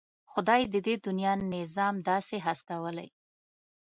خدای د دې دنيا نظام داسې هستولی.